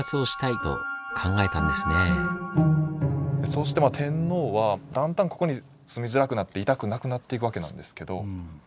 そうして天皇はだんだんここに住みづらくなって居たくなくなっていくわけなんですけど。